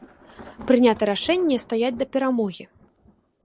Прынята рашэнне стаяць да перамогі.